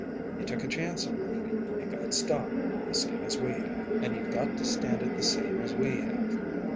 "You took a chance on Murphy, and got stung, the same as we have, and you've got to stand it the same as we have.